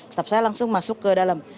staff saya langsung masuk ke dalam